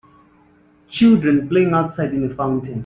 Children playing outside in a fountain.